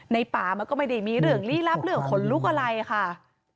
ป่ามันก็ไม่ได้มีเรื่องลี้ลับเรื่องขนลุกอะไรค่ะ